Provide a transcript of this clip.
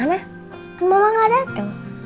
kan mama gak ada dong